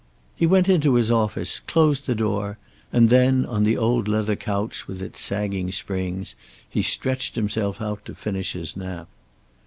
He went into his office, closed the door, and then, on the old leather couch with its sagging springs he stretched himself out to finish his nap.